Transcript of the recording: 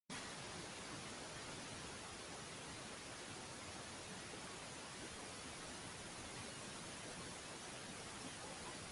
jeshi katika Uturuki limefanya mapinduzi mara nne